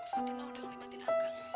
fatimah udah ngobatin akang